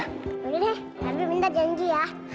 boleh deh tapi minta janji ya